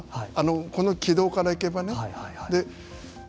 この軌道からいけばね。